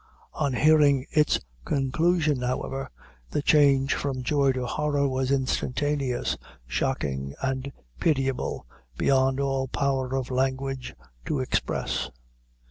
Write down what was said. On hearing its conclusion, however, the change from joy to horror was instantaneous, shocking, and pitiable, beyond all power of language to express.